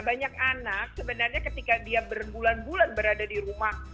banyak anak sebenarnya ketika dia berbulan bulan berada di rumah